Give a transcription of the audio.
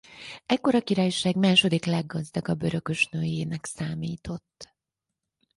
Ekkor a királyság második leggazdagabb örökösnőjének számított.